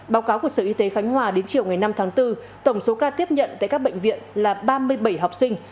báo cáo của sở y tế khánh hòa đến chiều ngày năm tháng bốn tổng số ca tiếp nhận tại các bệnh viện là ba mươi bảy học sinh